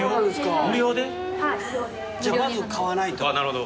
じゃまず買わないと。